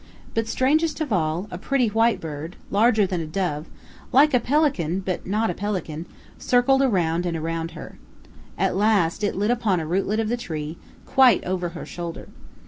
But, strangest of all, a pretty white bird, larger than a dove like a pelican, but not a pelican circled around and around her. At last it lit upon a rootlet of the tree, quite over her shoulder.